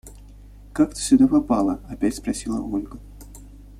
Как ты сюда попала? – опять спросила Ольга.